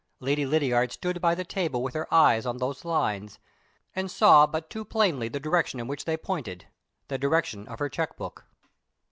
Lady Lydiard stood by the table with her eyes on those lines, and saw but too plainly the direction in which they pointed the direction of her check book.